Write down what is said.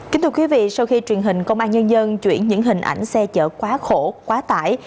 kính thưa quý vị sau khi truyền hình công an nhân dân chuyển những hình ảnh xe chở quá khổ quá tải